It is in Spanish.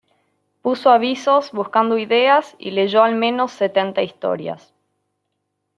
Puso avisos buscando ideas y leyó al menos setenta historias.